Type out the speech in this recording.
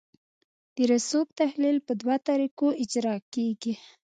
د رسوب تحلیل په دوه طریقو اجرا کیږي